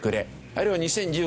あるいは２０１５年